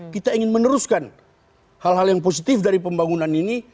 kita ingin meneruskan hal hal yang positif dari pembangunan ini